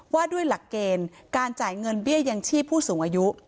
ว่าด้วยหลักเกณฑ์การจ่ายเงินเบี้ยยังชีพผู้สูงอายุ